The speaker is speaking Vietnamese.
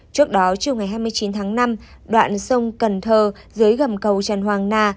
trước đó chiều ngày hai mươi chín tháng năm đoạn sông cần thơ dưới gầm cầu tràn hoàng na